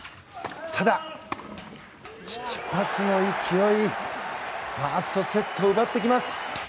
ただ、チチパスの勢いファーストセットを奪ってきます。